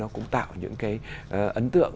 cũng tạo những cái ấn tượng